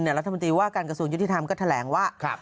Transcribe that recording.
รัฐมนตรีว่าการกระทรวงยุติธรรมก็แถลงว่า